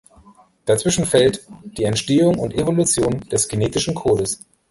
Dazwischen fällt die Entstehung und Evolution des Genetischen Codes.